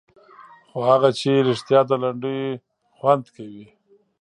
خو هغه چې رښتیا د لنډیو خوند کوي.